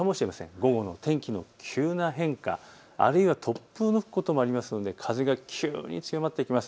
午後の天気の急な変化、あるいは突風の吹くこともありますので風が急に強まってきます。